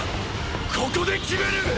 ここで決める！！